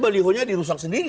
balihonya dirusak sendiri